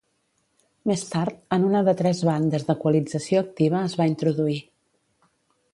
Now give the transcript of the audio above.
Més tard, en una de tres bandes d'equalització activa es va introduir.